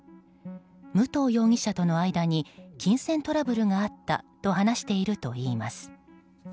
武藤容疑者との間に金銭トラブルがあったと話しているといいます。